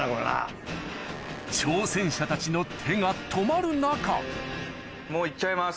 挑戦者たちの手が止まる中もう行っちゃいます